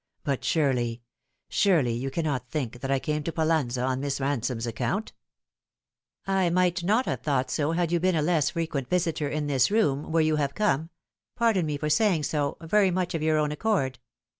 " But surely surely you cannot think that I came to Pallanza on Miss Ransome's account ?"" I might not have thought so had you been a less frequent visitor in this room, where you have come pardon me for say ing so very much of your own accord.